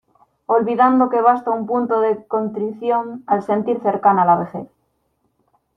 olvidando que basta un punto de contrición al sentir cercana la vejez.